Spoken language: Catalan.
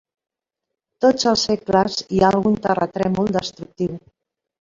Tots els segles hi ha algun terratrèmol destructiu.